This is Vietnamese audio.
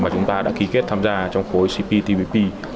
chúng ta đã ký kết tham gia trong cptpp